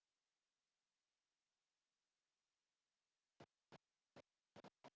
tadi saja sih sebenarnya yang bertanya